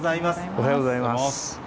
おはようございます。